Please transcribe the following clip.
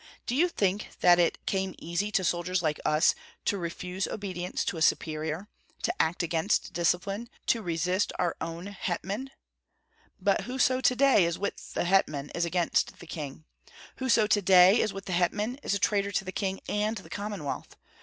Do you think that it came easy to soldiers like us to refuse obedience to a superior, to act against discipline, to resist our own hetman? But whoso to day is with the hetman is against the king. Whoso to day is with the hetman is a traitor to the king and the Commonwealth.